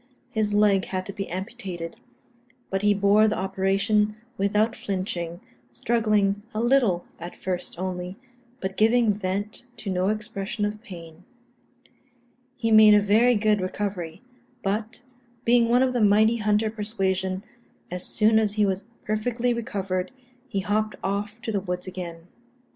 His leg had to be amputated; but he bore the operation without flinching, struggling a little at first only, but giving vent to no expression of pain. He made a very good recovery; but, being one of the mighty hunter persuasion, as soon as he was perfectly recovered, he hopped off to the woods again.